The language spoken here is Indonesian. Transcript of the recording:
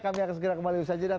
kami akan segera kembali bersajidah